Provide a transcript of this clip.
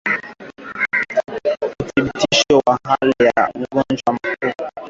Uthibitisho wa awali wa ugonjwa wa kimeta ni kuvuja damu katima matundu ya mwili